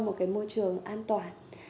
một cái môi trường an toàn